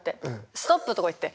「ストップ」とかいって。